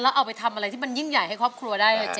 เอาไปทำอะไรที่มันยิ่งใหญ่ให้ครอบครัวได้